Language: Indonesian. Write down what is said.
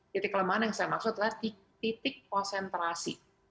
titik kelemahan yang saya maksud adalah di titik konsentrasi